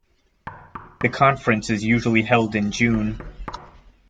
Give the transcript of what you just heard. The conference is usually held in June.